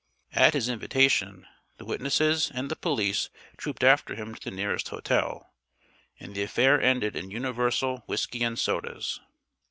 At his invitation, the witnesses and the police trooped after him to the nearest hotel, and the affair ended in universal whisky and sodas.